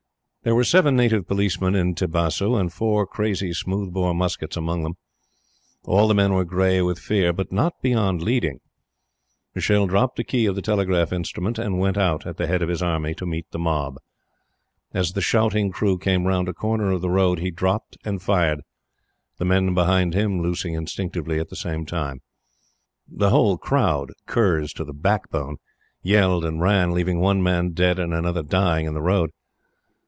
There were seven native policemen in Tibasu, and four crazy smooth bore muskets among them. All the men were gray with fear, but not beyond leading. Michele dropped the key of the telegraph instrument, and went out, at the head of his army, to meet the mob. As the shouting crew came round a corner of the road, he dropped and fired; the men behind him loosing instinctively at the same time. The whole crowd curs to the backbone yelled and ran; leaving one man dead, and another dying in the road.